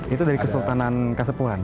itu dari kesultanan kasepuhan